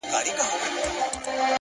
د ذهن سکون غوره تصمیمونه راوړي